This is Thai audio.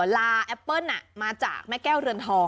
ลาแอปเปิ้ลมาจากแม่แก้วเรือนทอง